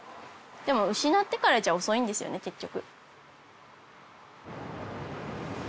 でも失ってからじゃ遅いんですよね結局。